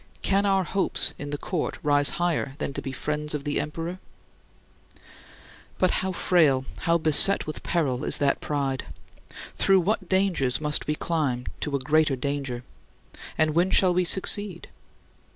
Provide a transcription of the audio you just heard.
Can our hopes in the court rise higher than to be 'friends of the emperor'? But how frail, how beset with peril, is that pride! Through what dangers must we climb to a greater danger? And when shall we succeed?